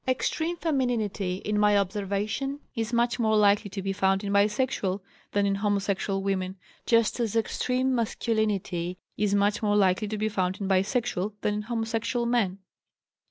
Extreme femininity, in my observation, is much more likely to be found in bisexual than in homosexual women, just as extreme masculinity is much more likely to be found in bisexual than in homosexual men.